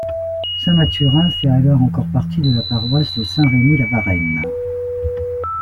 Saint-Mathurin fait alors encore partie de la paroisse de Saint-Rémy-la-Varenne.